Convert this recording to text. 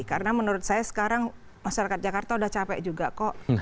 karena menurut saya sekarang masyarakat jakarta sudah capek juga kok